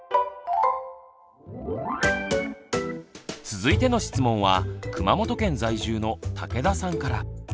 続いての質問は熊本県在住の竹田さんから。